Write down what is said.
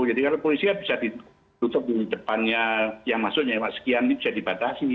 jadi kalau polisi bisa ditutup di depannya yang masuknya sekian ini bisa dibatasi